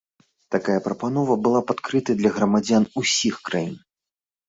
Такая прапанова была б адкрытай для грамадзян усіх краін.